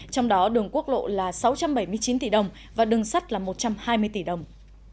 trong đó đường quốc lộ là sáu trăm bảy mươi chín tỷ đồng và đường sắt là một trăm hai mươi tỷ đồng